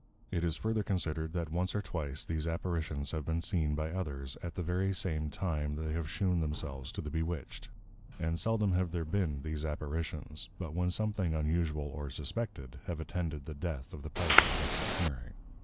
It is further considered, that once or twice, these Apparitions have been seen by others, at the very same time they have shewn themselves to the Bewitched; and seldom have there been these Apparitions, but when something unusual or suspected, have attended the Death of the Party thus Appearing.